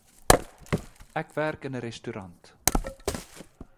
Ek werk in ’n restaurant